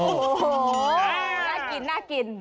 โอ้โหน่ากิน